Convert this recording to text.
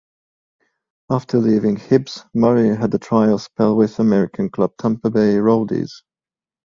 After leaving Hibs, Murray had a trial spell with American club Tampa Bay Rowdies.